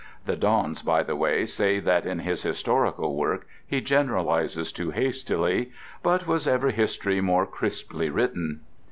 (The dons, by the way, say that in his historical work he generalizes too hastily; but was ever history more crisply written?)